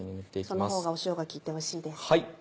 そのほうが塩が効いておいしいです。